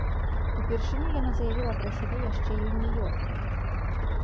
Упершыню яна заявіла пра сябе яшчэ юніёркай.